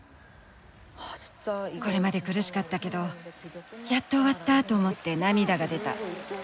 これまで苦しかったけど「やっと終わった」と思って涙が出た。